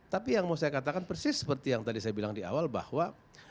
tapi yang mau saya katakan persis seperti yang tadi saya bilang di awal bahwa